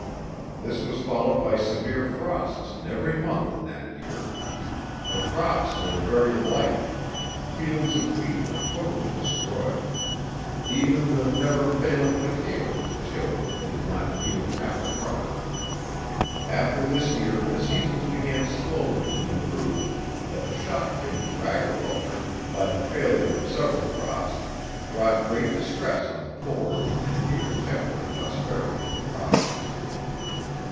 This was followed by severe frosts in every month in that year. The crops were very light: fields of wheat were totally destroyed. Even the never failing potatoe was chilled and did not yield half a crop. After this year the seasons began slowly to improve; but the shock given to agriculture, by the failure of several crops, brought great distress on the poor, and gave a check to the prosperity of the Province.